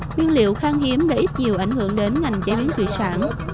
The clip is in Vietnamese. nguyên liệu khang hiếm đã ít nhiều ảnh hưởng đến ngành chế biến thủy sản